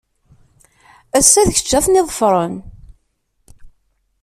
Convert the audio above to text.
Ass- a d kečč ad ten-iḍfren.